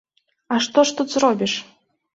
А што ж тут зробіш?